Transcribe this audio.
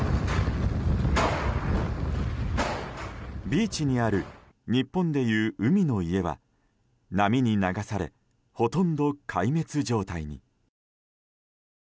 ビーチにある日本でいう海の家は波に流されほとんど壊滅状態に。